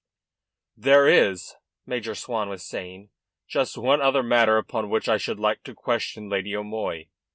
"There is," Major Swan was saying, "just one other matter upon which I should like to question Lady O'Moy."